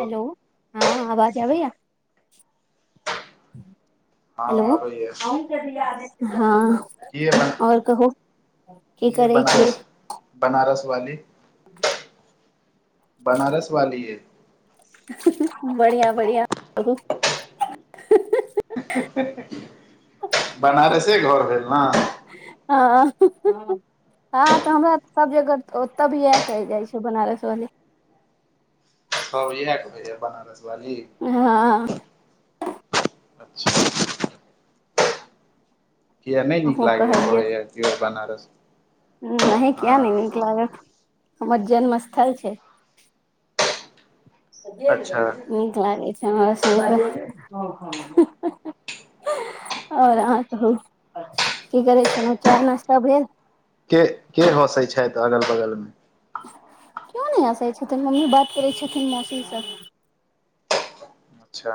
Hello हँ आवाज आबैया। हेलो हँ आबैय हँ। की आओर कहू की करै छियै? बनारस वाली ज। बनारस वालीए। बढ़िआ बढ़िआ ब बनारसे घर भेल ने। हँ- हँ तऽ हमरा सब जगह ओतऽ भी इएह कहहि जाइ छै, बनारस वाली। स बज ह क बे बनारस वाली। हँ। अच्छा। कििया नहि नीक अहूँ लागैएा। कहैएाोर बनारस। नह किया हँ न नीक लागत हमर जन्म स्थल छै। अच्छा नीक लागे छै। आओर अह कह की करै छल। चाना सब भेल? के के हसै छथि अगल बगल मे? को नहि आसै छथिन। मम्मी बात करै छथिन। मौासीसँ अच्छा।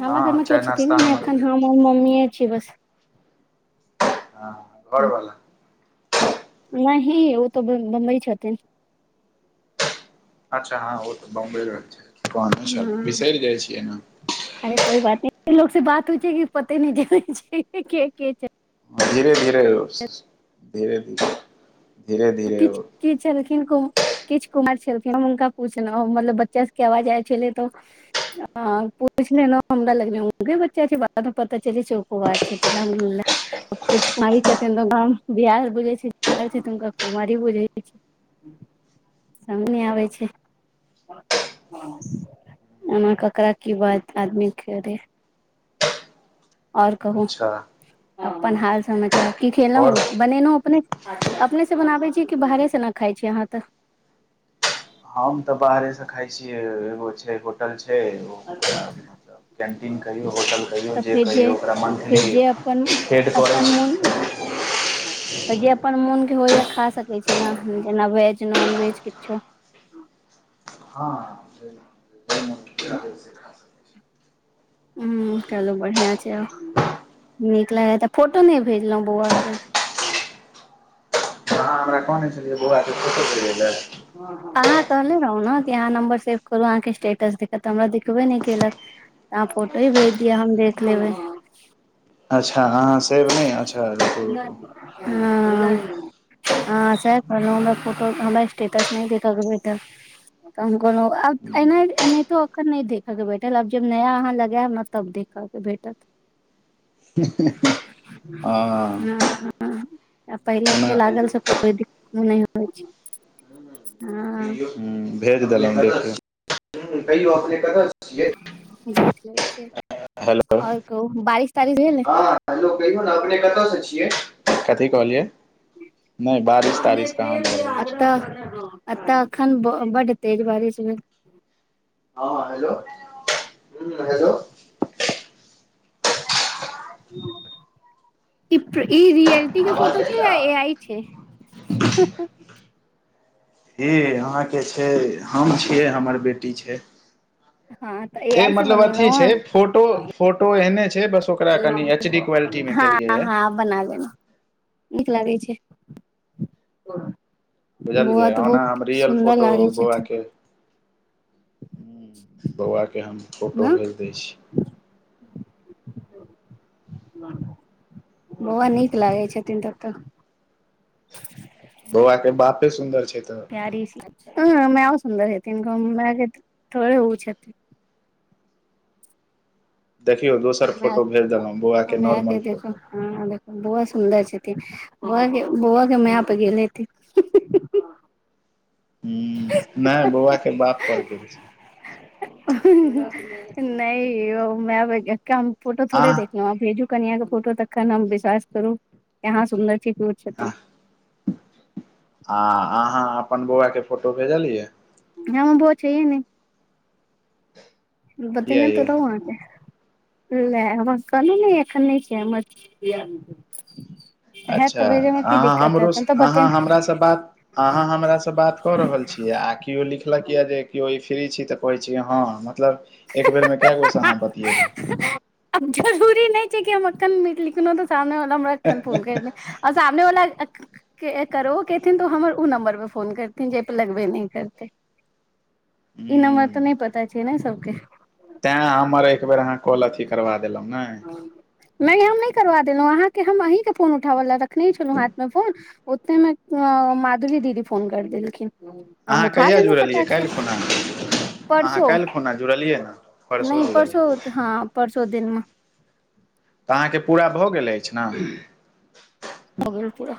हमर हँ घरमे केओ चाय छथिन। नाश्ता ने हमर एखन भेल हम मम्मीए छी बस। हँ घरवलाा। नहि ही ओ तऽ बम्बई छथि। अच्छा हँं ओ तऽ बम्बे हँ बिसरि जाइ छियै ने। अरे कोइ बात नहि लोग से बात होइ छै। कि पते नहि छै। धीे धीरे-धीरे-धीरे किु किी छलखिन। को किछु कुमार छलखिन। हुनका पूछलहु। मतलब बच्चा सबके आवाज आयल छलै। तऽ ह पूछ लेलं हमरा लग े बच्चा छै। बादमे पता चल छैक। बार छथिन अद कुछु की छथिन। तऽ बिहार बुझै छैुनक। कुमार बुझ सम नहि आबै छै। हम ककरा की बात आदमी करे। [inaudible] आओर कहु अच्छा अपन हाल समाचार की आओर खेलहुँ बनेलहुं। अपने अपने से बनाबे छीियै। बाहे से ना खाइ छी। अहाँ तऽ हम तऽ बाहरेसँ खाइ छियै। एगो छै। होटल छै। कैन्टीन कहियौ होटल कहियौ तऽ जे फेर कहियौ ओकरा मन्थली फेर जे अपन हेड करै अपन छै। मोन [inaudible] तऽ जे अपन मोन के होइयै खा सकै छी ना जेना वेज, नॉनवेज किछो। हँ उं ऊं चलू बढ़ियां छै औ नीक लागे त फोटो नहि भेजलहुँ बौआ के अहां हमरा कहने छलियै बौआ के फोटो भेजै लै अहाँ कहले रहौं न कि अहाँ नम्बर सेव करू अहाँके स्टेटस देखत तऽ हमरा देखबे नहि केलक। अहां फोटो ही भेज दिय हम देख लेबै। अच्छा हाँ हाॅं सेव नहि अच्छा रूकु रूकु हमे हां सेव करलुं हमरा फोटो हमरा स्टेटस नहि देख के भेटल। तऽ हम कहलहुँ आब एना एनाहितो अखन नहि देखे के भेटल आब जब नया अहाँ लगायब ने तब देख क के भेटत। ही ही ही ओ हं आ पहिले के लागल से कोइ दिक्कत नहि होइ छै। हँ हूं भेज देलौं देखियौ। कहियो अपने कतऽ स छियै? देख लै छियै हेलो आओर कहू बारिश तारिश भेल ए हँ हेलो कहियौ ने अपने कत स छियै कथी कहलियै। नहि बारिश हं नै तारिश कहाँ प्रेम भऽ जे रहल छै आग्रह [unintelligible] अत अतऽ अखन बड तेज बारिश भेल। हँ हेलो हेलो। [inaudible] ई प ई रियलिटी के आवाज फोटो छै या जाइया ए आइ छै? ई अहाँके छै हम छियै हमर बेटी छै। हँ तऽ ए आई से मतलब अथी बनेलहुं छै फोटो फोटो एहने छै बस ओकरा कनि एच डी क्वालिटी मे केलियै हां या हां बना लेना। नीक लागै छै। बउआ बुझलियै तऽ ओना बहुत हम रियल सुन्दर फोटो लागै छथिन। हूं बौआ के हम फोटो ह भेज दै छी। बौआ नीक लागै छथिन त तऽ [inaudible] बौआ के बापे सुन्दर छै तऽ। प्यारी सी लागै छै मायो सुन्दर हेथीन कोनो माय के थोड़े ओ छथिन देखियौ दोसर माय फोटो भेज देलहुँ बौआके माय नॉर्मल के देखो फोटो। हँ देख बौआ सुन्दर छैथिन बौआ बौआ के मैय पे गेल हेथीन। हूं नहि बौआ के बाप पड़ गेल छै। हें हें हें नहि यौ मैय पे गेल हुनकर हम फोटो थोड़े आह देख हाँ भेजू कनिया के फोटो तखन हम विश्वास करू कि अहाँ सुंन्दर छी की ओ आ छथिन अहाँ अपन बौआ के फोटो भेजलियै? हमर बौआ छैहे नै किया बतेने यै त रहौं अहांके लए हमरा कहलहु ने एखन नहि छै हमर। हैत तऽ अच्छा भेजैमे की अहाँ दिक्कत हेत हमरोस हम तऽ अहाँ बतेने हमरास बात अहाँ हमरास बात कऽ रहल छी। आ केओ लिखलक यऽ जे केओ ई फ्री छी तऽ कहै छी हँ मतलब एक बेेर में कए गोेस अहाँ बतियेबै। आब जरूरी नहि छै कि हम अक्खन मीट लिखलौं त सामने वाला हमरा अखन फोन करितै। आ सामने वाला के ए करो कएथिन तऽ हमर उ नम्बर पर फोन करथिन जै पे लगबे नहि करतै। ई नम्बर हूं तऽ नहि पता छै ने सबके। तें हमर एकबेर अहाँ कॉल अथी करबा देलहुँ नै। नहि हम नहि करबा देलहुँ अहाँके हम अहींके फोन उठाबऽ लए रखने छलहुँ हाथ मे फोन। ओतेमे माधुरी दीदी फोन करि देलखिन। हम अहाँ उठा कहिया लेलौं जुड़लियै फटाक से। काल्हि खुना अहाँ परसो काल्हि खुना जुड़लियै ने परसू नहि जुड़लियै परसो हँ परसो दिनमे। तऽ अहाँके पूरा भऽ गेल अछि ने। भऽ गेल पूरा।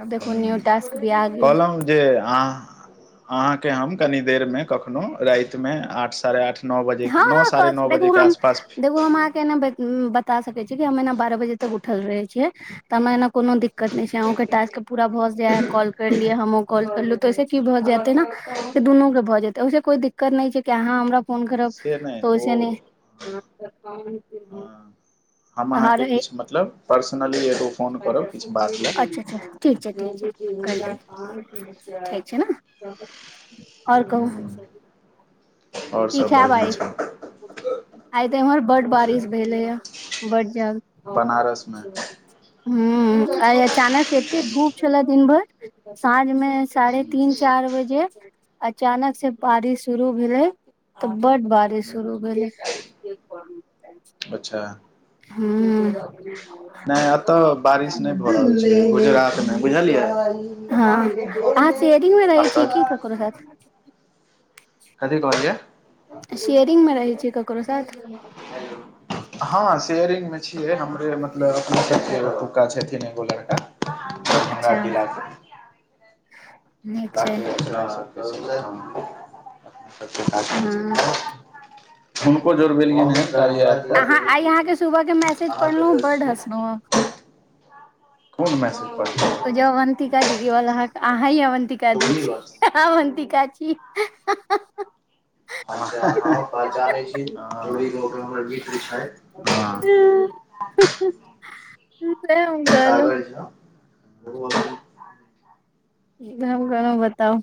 आ देखू न्यू ने टास्क भी आ गेल। कहलहुँ जे अह अहाँके हम कनी देरमे कखनो रातिमे आठ साढ़े आठ नओ बजेके हँ नओ साढ़े नओ बजेके आसपास केना बता सकै छी कि हम एना बारह बजे तक उठल रहय छियै। तमाए एना कोनो दिक्कत नहि छै अहूं के टास्क पूरा भऽ जाय कॉल करलियै हम कॉल करलहु तऽ ओहिसे की भ जेतै ने दुनू के भए जेतै से कोई दिक्कत नै छै कि अहाँ हमरा फोन करब से नहि त ओइ ओ से नै हम अहाँके किछु मतलब पर्सनली एगो फोन करब किछु बात लऽ। अच्छा-अच्छा ठीक छै ठीक छै करियै ठीक छै ने। और कहू। आओर की सब खाएब बढ़िआँ आइ छै आइ ते इम्हर बड्ड आँय बारिश भेलै य बड्ड बनारसमे हूॅं आइ अचानक से एते धूप छले दिन भर साँझ मे साढ़े तीन चार बजे अचानक से बारीस शुरू भेलै। तऽ बड बारिश शुरू भेलै। अच्छा हूॅं नहि एतऽ बारिश नहि भऽ रहल छै गुजरातमे बुझलियै। [inaudible] हँ करो हट [unintelligible] कथी कहलियै। शेयरिंग मे रहै छी ककरो साथ। हेलो हँ शेयरिंग में छियै हमरे मतलब एतुक्का छथिन एगो लड़का। दरभंगा अच्छा जिलाके नीक छै मिथिलाके रचना [unintelligible] सबके काज करै हँ छथिन, हुनको जोड़बेलियैन ह। हम अहाँ आइ बेनीपुर से अहाँके छी, सुबह के मैसेज अहाँ पढ़लहुँ कतऽ से बड छी? हॅं मैसेज पढ़लियै हॅं त जाउ अवन्तिका दीदी वला अहाँक अहीं अच्छा अवन्तिका दीदी चौरी बस छी। अवन्तिका छी। अहांके हमहूं ओ पहचानै छी [unintelligible] हमर मित्र छै ह। तें हम कहलहुं। त [unintelligible] एकदम गरम हेता ओ।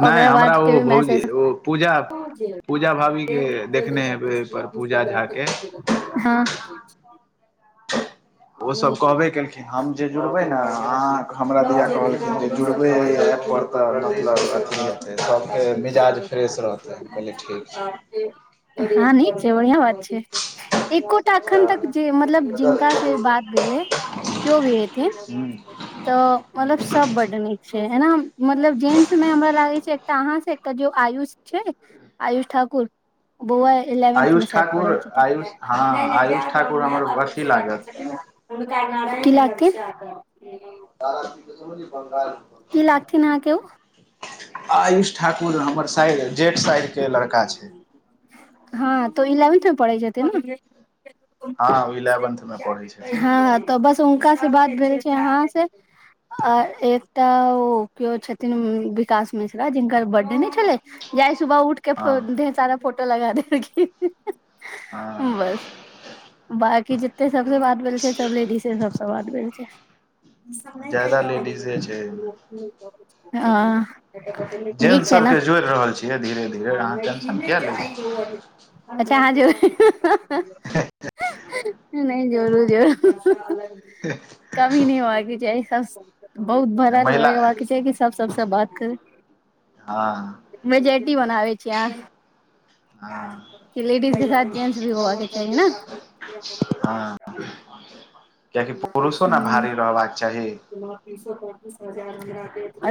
नहि हमरा के ओ भी भउजी मैसेज ओ पूजा पूजा भाभीके देखने हेबै ओहिपर पूजा झाके। हँ ओसभ कहबे केलखिन हम जे जुड़बै ने अहाँ हमरा दिआ कहलखिन जे जुड़बै अ ऐपपर तऽ मतलब अथी हेतै सबके मिजाज फ्रेश रहतै हम कहलिए ठीक छै। हँ नीक छै बढ़िआ बात छै। एकोटा एखन अच्छा तक जे मतलब जिनका से बात भेलै क्यो भी हेथीन हुँ तऽ मतलब स सब बड नीक छै एना मतलब जेंस में हमरा लागे छै एकटा अहां से एकटा जो ओ आयुष छै आयुष ठाकुर। बौआ इलेवन्थ मे आयुष शायद पढ़ै ठाकुर छेथिन। आयुष हँ नै नै जै आयुष दहुन ठाकुर मैय हमर बाप के अथी सेवा करै लागत छेथिन हुनका नाम, की लागतै तारापीठ के समझिय बंगाल की लागथिन अहांके ऊ? आयुष ठाकुर हमर साइर जेठ साइरके लड़का छै। हँ तऽ ओ इलेवन्थ मे पढ़ै छेथिन ने। हँ ऊ इलेवेन्थमे पढ़ै हँ छथिन। हँ तऽ बस हुनका से बात भेल छै आ अहाँ से। आ एकटा ओ केओ छथिन विकास मिश्रा जिनकर बर्थडे नहि छलै जे आइ सुबह उठके फो हँ ढेर सारा फोटो लगा देलखिन। बस हँ बाकी जेते सबसे बात भेल छै सब लेडीजे सबस बात भेल छै। ज्यादा लेडीजे छै हँ जेंटस सबके जोड़ि रहल छियै धीरे धीरे। हं अहाँ नै ई टेंशन नै किएक लै जाइ छी ओ अच्छा अहां जो--हं हं हं नहि जोरू जोरू हैं हं हं ह कमी नहि होबाके चाही सब बहुत भरल महिला रहबाके चाही कि सब सबसे बात करै। हँ मेजोरिटी बनाबे छियै हँ कहां। कि लेडीज के साथ जेंट्स भी होबा के चाही न हँ कियेकि पुरुषो ने भारी रहबाक चाही।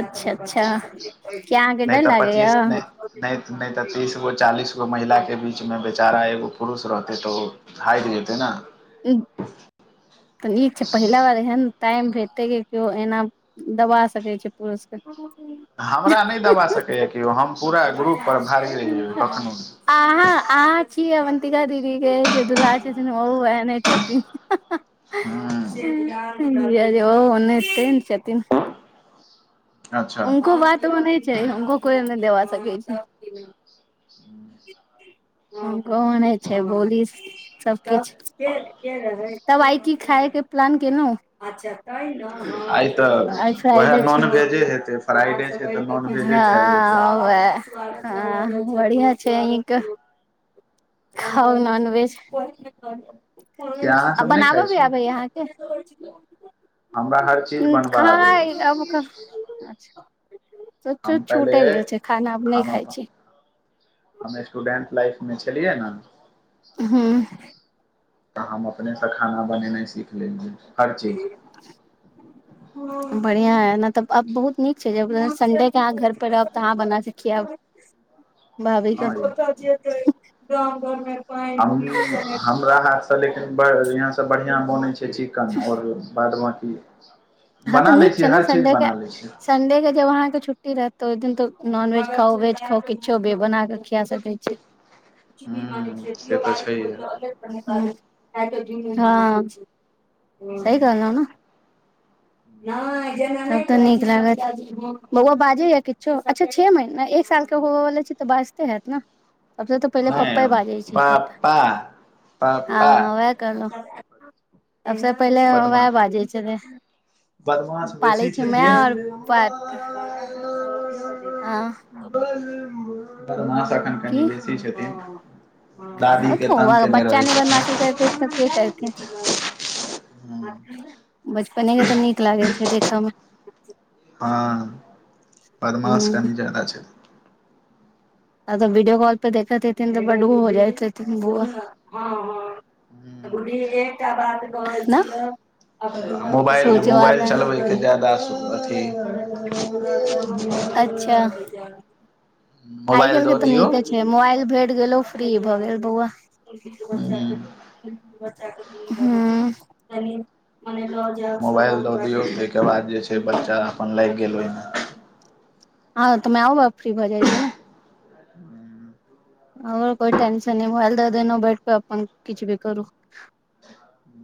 अच्छा अच्छा कियै अहांके नहि डर तऽ लागै या? पच्चीस नहि नहि नहि तऽ तीस गो चालीस गो महिला के बीच मे बेचारा एगो पुरूष रहतै तऽ ओ हटि जेतै न। नीक छै पहिला बार एहन टाइम हेतै कि केओ एना दबा सकै छै पुरुषके। हमरा नहि दबा सकैए किओ हम पूरा ग्रुपपर भारी रहि जेबै कखनोहु भी। अहाँ अहाँ छी अवन्तिका दीदी के जे दुल्हा छथिन ओहो वैह ने छथिन हां हां। हूँ जीजाजी ओहो ओहने सेम छथिन। [inaudible] अच्छा उनको बात ओहने छै हुनको कोइ नहि देबा सकै छै। हुनके ओहने छै बोली सबकिछ। तब आइ की खाायके प्लान केलहुँ। आइ आई तऽ उएह फ्राइड नॉन छैक। वेजे हेतै फ्राइडे छै तऽ नॉन वेजे खायल जेतै हँ, बढ़िआ छै अही के- - हा नॉनवेज कि अहाँ आ सब नहि खाइ बनाबऽ भी छियै आबैय अहाँके। हमरा हर चीज बनबऽ आबैए खाइ अब का- - सब हम पहिले छूटे गेल छै खाना नहि हम खाय छैई। हम स्टूडेंट लाइफ में छलियै न। हम्म तऽ हम अपनेसँ खाना बनेनाइ सीख लेलियै हर चीज। बढ़िियां है न तब आब बहुत नीक छै, ज सडे के अहाँ घर पर रहब तऽ अहाँ बना क खियायब। भाबी क हँ यै पुराना हाथसँ लेकिन बढ़ बढ़िआँ स बढ़िया बनै छै चिकन ओर सूवाद बाकी हँ तऽ बना लै नीक छै छियै, हर ने चीज संडे के बना लै छियै। संडे के जब अहाँ के छुट्टी रहत ओइ दिन त नॉनवेज खाउ वेज खाउ किछो भी बना के खिया सकै छी। ह। ह। सी कगल ह ने तब त नीक लागत। बौआ बाजेयै किछो, अच्छा छे महीना एक साल के होब वाला छै त बाजते हयत न। अपने त पहिले नहि पप्पे बाजै छै पा सबटा, पा पा आ पा वएह करलहु सबसे पहिले वएह बदमाश बाजै छले। बदमाश बेसी छलियै बदमाश [inaudible] की, छथिन दादी हं के त तंग केने रहै बच्चा नयि बदमाश नयि करते त के करते छथिन बचपने के त नीक लागै छै देखयमे हँ, बदमास हूँ कनि जादा छै। आ जब वीडियो कॉल पे देखैत हेथिन तऽ बड हो जाइत हेथिन बउआ गुडी एकटा बात कहेछि आ न मोबाइल सोचवाल मोबाइल चलबैके ज्यादा अथी अच्छा। आइ मोबाइल काल्हि के दऽ तऽ दियौ नीके छै मोबाइल भेट गेलो फ्री भऽ गेल बौआ हु मोबाइल दऽ दियौ ताहिके बाद जे छैय बच्चा अपन लागि गेल ओहिमे हँ, मैयं बाप फ्री भऽ जाइ छै न। हम कोइ टेंशन नेय मोबाइल द देलों बेड पर किछ भी करू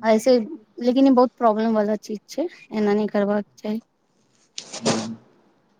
ऐसे लेकिन ई बहुत प्रॉब्लम वाला चीज छै, एना नहि करबाक चाही ओहिमे